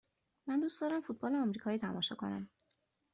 من دوست دارم فوتبال آمریکایی تماشا کنم.